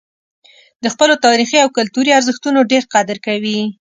د خپلو تاریخي او کلتوري ارزښتونو ډېر قدر کوي.